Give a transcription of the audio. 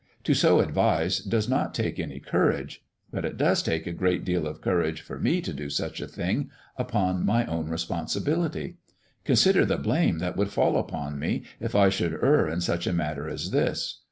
To so advise does not take any courage; but it does take a great deal of courage for me to do such a thing upon my own responsibility. Consider the blame that would fall upon me if I should err in such a matter as this.